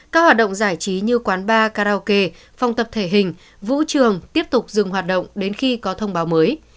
các hoạt động giải trí như quán bar karaoke phòng tập thể hình vũ trường tiếp tục dừng hoạt động đến khi có thông báo mới